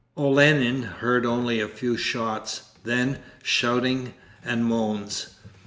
Olenin heard only a few shots, then shouting and moans.